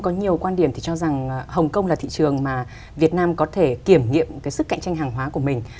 có nhiều quan điểm thì cho rằng hồng kông là thị trường mà việt nam có thể kiểm nghiệm cái sức cạnh tranh hàng hóa của mình